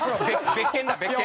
別件だ別件。